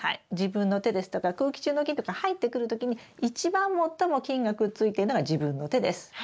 自分の手ですとか空気中の菌とか入ってくる時に一番最も菌がくっついてるのが自分の手です。